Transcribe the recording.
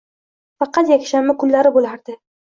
Faqat yakshanba kunlari boʻlardi.